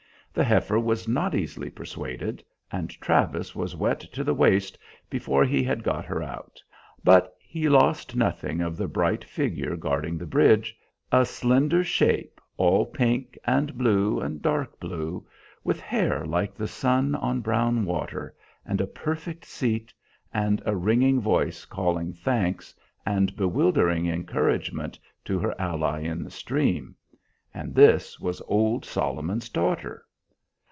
The heifer was not easily persuaded, and Travis was wet to the waist before he had got her out; but he lost nothing of the bright figure guarding the bridge, a slender shape all pink and blue and dark blue, with hair like the sun on brown water, and a perfect seat, and a ringing voice calling thanks and bewildering encouragement to her ally in the stream. And this was old Solomon's daughter!